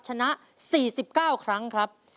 ชนะ๔๙ครั้งครับ